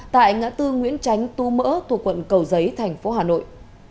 tại ngã tư nguyễn tránh tú mỡ thuộc quận cầu giấy thành phố hà nội